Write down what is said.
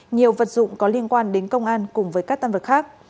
nhiều vật dụng có liên quan đến công an cùng với các tam vật khác